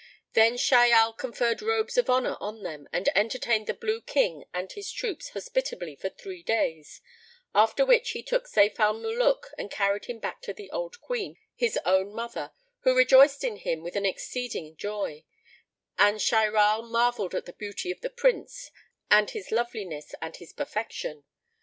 Then Shahyal conferred robes of honour on them and entertained the Blue King and his troops hospitably for three days, after which he took Sayf al Muluk and carried him back to the old Queen, his own mother, who rejoiced in him with an exceeding joy, and Shahyal marvelled at the beauty of the Prince and his loveliness and his perfection.